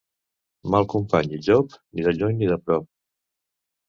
Mal company i llop, ni de lluny ni de prop.